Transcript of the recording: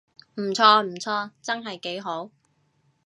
唔錯唔錯，真係幾好